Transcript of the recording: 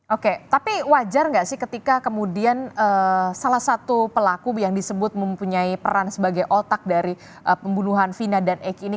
oke tapi wajar nggak sih ketika kemudian salah satu pelaku yang disebut mempunyai peran sebagai otak dari pembunuhan vina dan eg ini